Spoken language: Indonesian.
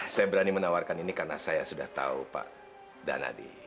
saya berani menawarkan ini karena saya sudah tahu pak danadi